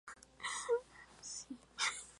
Fue nominada al premio British Fantasy Society.